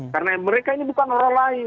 karena mereka ini bukan orang lain